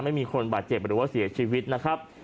ไม่มีคนบาดเจ็บหรือว่าเสียชีวิตนะครับ